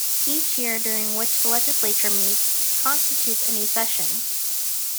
Each year during which the Legislature meets constitutes a new session.